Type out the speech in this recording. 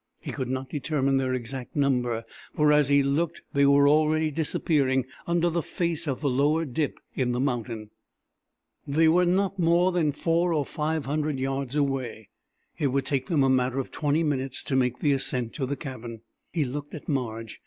He could not determine their exact number for as he looked they were already disappearing under the face of the lower dip in the mountain. They were not more than four or five hundred yards away. It would take them a matter of twenty minutes to make the ascent to the cabin. He looked at Marge.